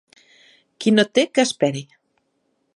Qui no té, que esperi.